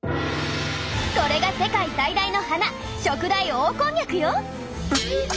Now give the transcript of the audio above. これが世界最大の花ショクダイオオコンニャクよ。